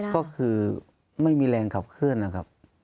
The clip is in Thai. ก็คือไม่มีแรงขับเคลื่อนนะครับ